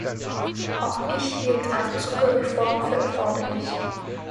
Auch ich hielt eine Zuckerreform für erforderlich.